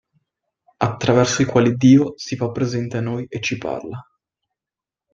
Attraverso i quali Dio si fa presente a noi e ci parla.